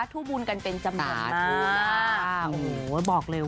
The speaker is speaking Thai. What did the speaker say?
ทู่บุญกันเป็นจำนวนเลย